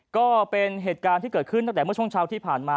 ก็เป็นเหตุการณ์ที่เกิดขึ้นตั้งแต่เมื่อช่วงเช้าที่ผ่านมา